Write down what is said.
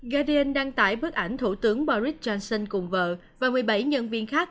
gardin đăng tải bức ảnh thủ tướng boris johnson cùng vợ và một mươi bảy nhân viên khác